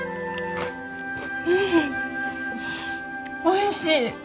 おいしい！